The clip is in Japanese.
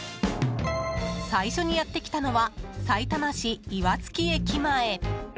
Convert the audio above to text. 最初にやってきたのはさいたま市岩槻駅前。